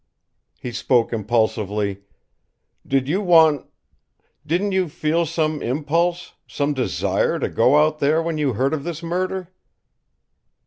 He spoke impulsively: "Did you want didn't you feel some impulse, some desire, to go out there when you heard of this murder?"